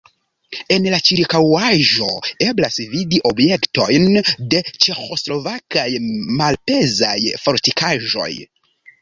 En la ĉirkaŭaĵo eblas vidi objektojn de ĉeĥoslovakaj malpezaj fortikaĵoj.